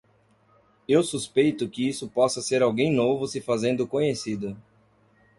Eu suspeito que isso possa ser alguém novo se fazendo conhecido.